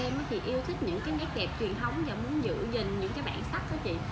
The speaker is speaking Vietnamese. em thì yêu thích những cái nét đẹp truyền thống và muốn giữ gìn những cái bản sắc